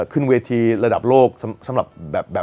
ขึ้นเวทีระดับโลกสำหรับแบบ